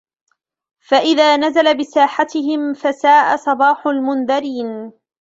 فإذا نزل بساحتهم فساء صباح المنذرين